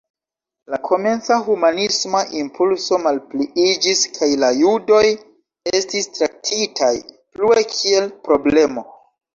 La komenca humanisma impulso malpliiĝis kaj la judoj estis traktitaj plue kiel „problemo”.